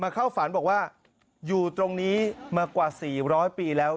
เข้าฝันบอกว่าอยู่ตรงนี้มากว่า๔๐๐ปีแล้ว